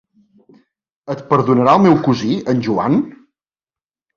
Et perdonarà el meu cosí, en Joan?